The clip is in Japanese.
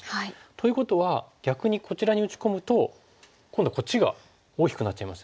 ということは逆にこちらに打ち込むと今度はこっちが大きくなっちゃいますよね。